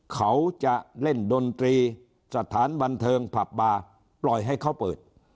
เขาจะเล่นดนตรีสถานบันเทิงผับบาร์ปล่อยให้เขาเปิด